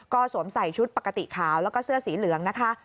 ก็สวมใส่ชุดปกติขาวแล้วก็เสื้อสีเหลืองนะคะ